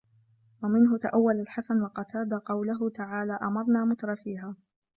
وَمِنْهُ تَأَوَّلَ الْحَسَنُ وَقَتَادَةُ قَوْله تَعَالَى أَمَرْنَا مُتْرَفِيهَا